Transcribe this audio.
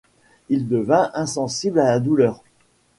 Il devint insensible à la douleur.